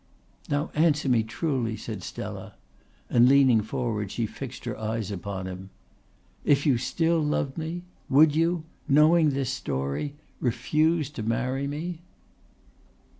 "Now answer me truly," said Stella, and leaning forward she fixed her eyes upon him. "If you still loved me, would you, knowing this story, refuse to marry me?"